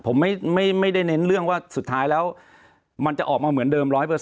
ผมไม่ได้เน้นเรื่องว่าสุดท้ายแล้วมันจะออกมาเหมือนเดิม๑๐๐